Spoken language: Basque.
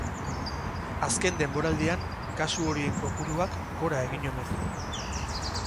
Azken denboraldian, kasu horien kopuruak gora egin omen du.